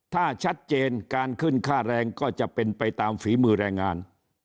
ถ้าชัดเจนการขึ้นค่าแรงก็จะเป็นไปตามฝีมือแรงงาน